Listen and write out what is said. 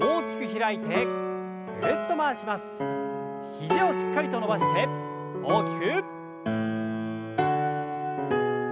肘をしっかりと伸ばして大きく。